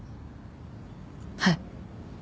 はい。